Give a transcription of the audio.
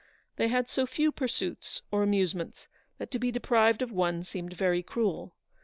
They had so few pursuits, or amusements, that to be deprived of one seemed very cruel.